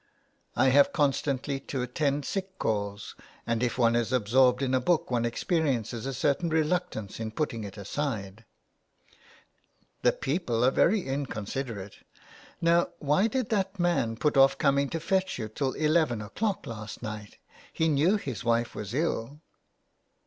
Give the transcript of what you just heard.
" I have constantly to attend sick calls, and if one is absorbed in a book one experiences a certain reluctance in putting it aside." 235 A iPLAY HOUSE IN THE WASTE. " The people are very inconsiderate. Now, why did that man put off coming to fetch you till eleven o'clock last night ? He knew his wife was ill."